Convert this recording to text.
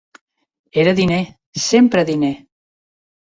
Era diner, sempre diner.